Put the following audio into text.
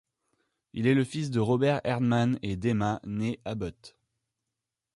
Il est le fils de Robert Herdman et d’Emma née Abbott.